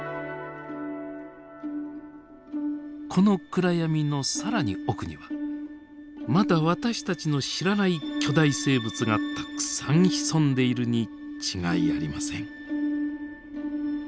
この暗闇の更に奥にはまだ私たちの知らない巨大生物がたくさん潜んでいるに違いありません。